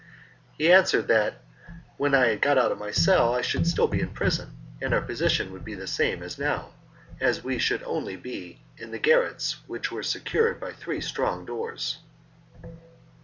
He answered that when I had got out of my cell I should be still in prison, and our position would be the same as now, as we should only be in the garrets which were secured by three strong doors.